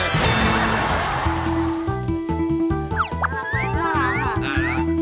น่ารักเลย